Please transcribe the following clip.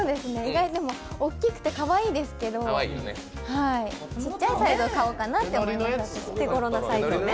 大きくてかわいいですけどちっちゃいサイズを買おうかなと思います。